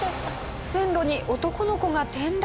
線路に男の子が転落。